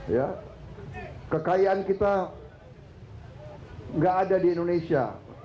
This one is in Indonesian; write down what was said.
ya kekayaan kita nggak ada di indonesia